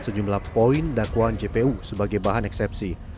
sejumlah poin dakwaan jpu sebagai bahan eksepsi